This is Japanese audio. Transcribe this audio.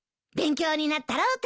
勉強になったろ？